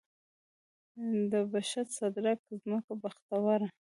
د پشد، صدرګټ ځمکه بختوره